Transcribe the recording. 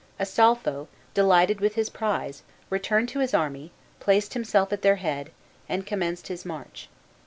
Astolpho, delighted with his prize, returned to his army, placed himself at their head, and commenced his march.